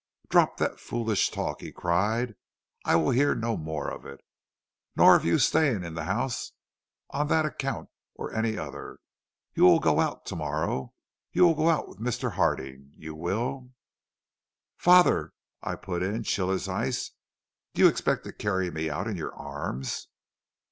"'Drop that foolish talk,' he cried. 'I will hear no more of it, nor of your staying in the house on that account or any other. You will go out to morrow. You will go out with Mr. Harding. You will ' "'Father,' I put in, chill as ice, 'do you expect to carry me out in your arms?'